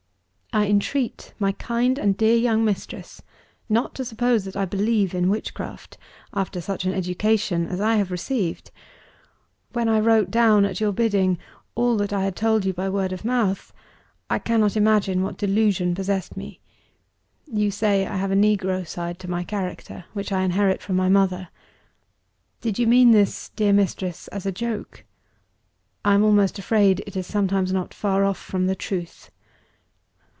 "I entreat my kind and dear young mistress not to suppose that I believe in witchcraft after such an education as I have received. When I wrote down, at your biding, all that I had told you by word of mouth, I cannot imagine what delusion possessed me. You say I have a negro side to my character, which I inherit from my mother. Did you mean this, dear mistress, as a joke? I am almost afraid it is sometimes not far off from the truth.